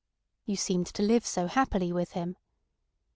"You seemed to live so happily with him."